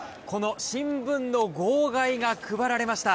新聞の号外が配られました。